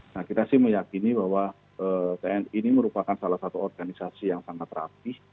nah kita sih meyakini bahwa tni ini merupakan salah satu organisasi yang sangat rapih